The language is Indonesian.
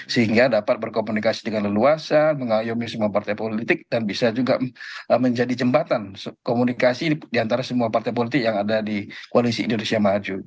sehingga dapat berkomunikasi dengan leluasa mengayomi semua partai politik dan bisa juga menjadi jembatan komunikasi diantara semua partai politik yang ada di koalisi indonesia maju